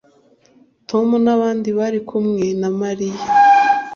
Tom nabandi bari kumwe na Mariya